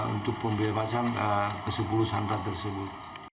untuk pembebasan kesepuluh sandera tersebut